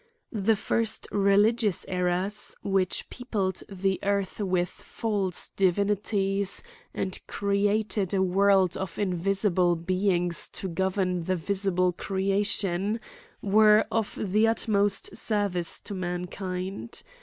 The first religious errors, which peopled the earth with false divinities, and created a world of invisible beings to govern the ♦ visible creation, were of the utmost service to mankind.